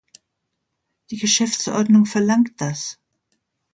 Die Geschäftsordnung verlangt das.